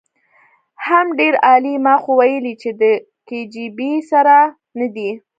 حم ډېر عالي ما خو ويلې چې د کي جي بي سره ندی.